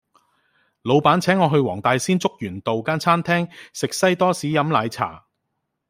老闆請我去黃大仙竹園道間餐廳食西多士飲奶茶